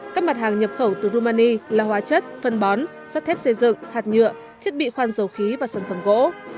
các mặt hàng nhập khẩu từ rumani là hóa chất phân bón sắt thép xây dựng hạt nhựa thiết bị khoan dầu khí và sản phẩm gỗ